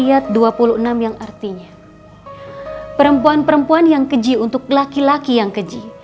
apinya perempuan perempuan yang keji untuk laki laki yang keji